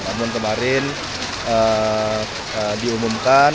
namun kemarin diumumkan